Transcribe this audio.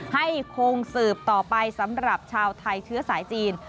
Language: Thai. คงสืบต่อไปสำหรับชาวไทยเชื้อสายจีน